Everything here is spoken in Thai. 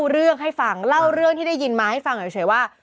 เรื่องที่ได้ยินมาให้ฟังหน่อยเฉยว่า